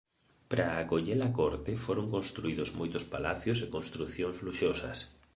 Para acoller a corte foron construídos moitos palacios e construcións luxosas.